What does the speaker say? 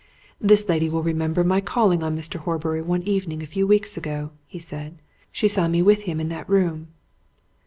"This lady will remember my calling on Mr. Horbury one evening a few weeks ago," he said. "She saw me with him in that room."